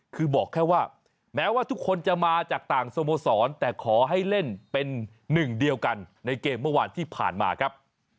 คือบอกแค่ว่าแม้ว่าทุกคนจะมาจากต่างสโมสรแต่ขอให้เล่นเป็นหนึ่งเดียวกันในเกมเมื่อวานที่ผ่านมาครับ